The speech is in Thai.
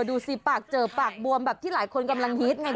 ดูสิปากเจอปากบวมแบบที่หลายคนกำลังฮิตไง